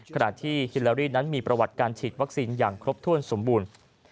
ขณะที่ฮิลารี่นั้นมีประวัติการฉีดวัคซีนอย่างครบถ้วนสมบูรณ์